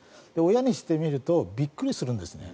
親にしてみるとびっくりするんですね。